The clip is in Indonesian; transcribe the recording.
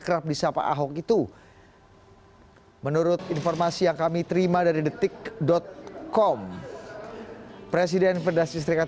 kerap disapa ahok itu menurut informasi yang kami terima dari detik com presiden federasi serikat